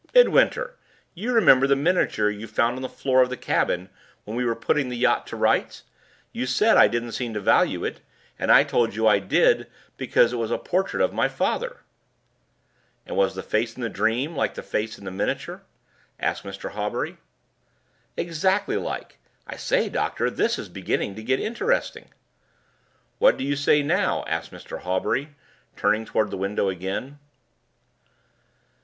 "Midwinter! you remember the miniature you found on the floor of the cabin when we were putting the yacht to rights? You said I didn't seem to value it; and I told you I did, because it was a portrait of my father " "And was the face in the dream like the face in the miniature?" asked Mr. Hawbury. "Exactly like! I say, doctor, this is beginning to get interesting!" "What do you say now?" asked Mr. Hawbury, turning toward the window again.